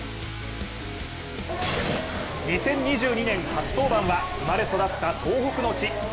２０２２年、初登板は生まれ育った東北の地。